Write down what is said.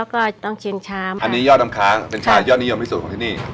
แล้วก็ต้องชิมชามอันนี้ยอดน้ำค้างเป็นชายยอดนิยมที่สุดของที่นี่